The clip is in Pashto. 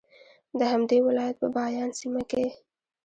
د همدې ولایت په بایان سیمه کې